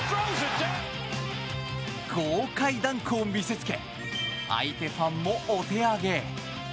豪快ダンクを見せつけ相手ファンもお手上げ。